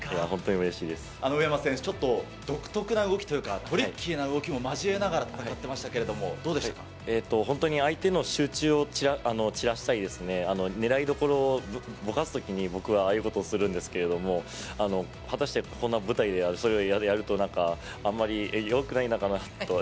宇山選手、ちょっと独特な動きというか、トリッキーな動きも交えながら戦ってましたけれども、本当に相手の集中を散らしたり、狙い所をぼかすときに僕はああいうことをするんですけども、果たしてこんな舞台でそれをやるとなんかあんまりよくないのかな